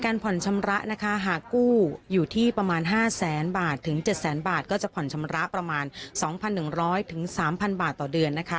การผ่อนชำระหากกู้อยู่ที่ประมาณ๕๐๐๗๐๐บาทก็จะผ่อนชำระประมาณ๒๑๐๐๓๐๐๐บาทต่อเดือน